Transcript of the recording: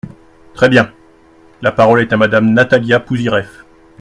Très bien ! La parole est à Madame Natalia Pouzyreff.